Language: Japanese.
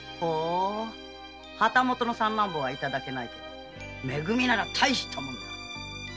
旗本の三男坊はいただけないけど「め組」なら大したもんだ。